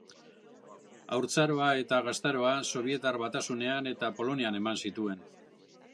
Haurtzaroa eta gaztaroa Sobietar Batasunean eta Polonian eman zituen.